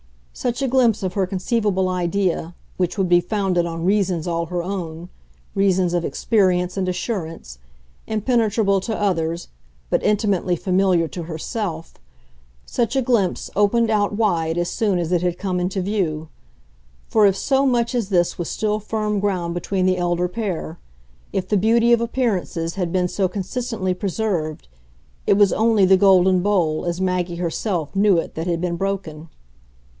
Such a glimpse of her conceivable idea, which would be founded on reasons all her own, reasons of experience and assurance, impenetrable to others, but intimately familiar to herself such a glimpse opened out wide as soon as it had come into view; for if so much as this was still firm ground between the elder pair, if the beauty of appearances had been so consistently preserved, it was only the golden bowl as Maggie herself knew it that had been broken.